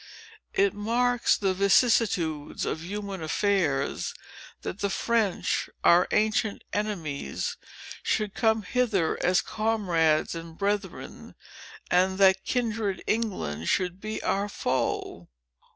It marks the vicissitudes of human affairs, that the French, our ancient enemies, should come hither as comrades and brethren, and that kindred England should be our foe.